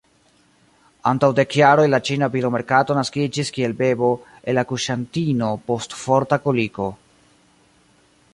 Antaŭ dek jaroj la ĉina bilomerkato naskiĝis kiel bebo el akuŝantino post forta koliko.